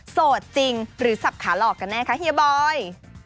โสดจริงหรือสับขาหลอกกันแน่คะเฮียบอย